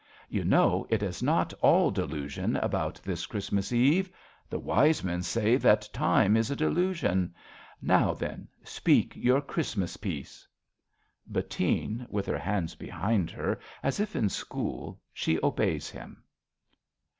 You know it is not all delusion About this Christmas Eve. The wise men say That Time is a delusion. Now then, speak Your Christmas piece. Bettine {with her hands behind her, as if in school, she obeys him).